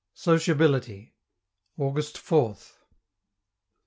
SOCIABILITY August 4th.